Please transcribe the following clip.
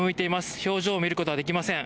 表情を見ることはできません。